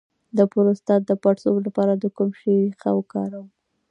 د پروستات د پړسوب لپاره د کوم شي ریښه وکاروم؟